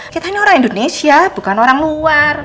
kita ini orang indonesia bukan orang luar